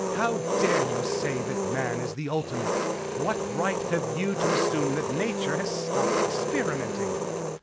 "How dare you say that Man is the ultimate? What right have you to assume that nature has stopped experimenting?"